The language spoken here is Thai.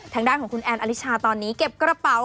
ทางด้านของคุณแอนอลิชาตอนนี้เก็บกระเป๋า